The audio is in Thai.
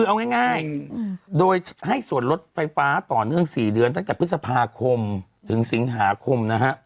คือเอาง่ายโดยให้ส่วนลดไฟฟ้าต่อเนื่อง๔เดือนตั้งแต่พฤษภาคมถึงสิงหาคมนะฮะ